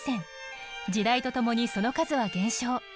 時代とともにその数は減少。